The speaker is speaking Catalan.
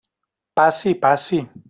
Passi, passi.